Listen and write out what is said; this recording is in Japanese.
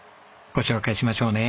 ご紹介しましょうね。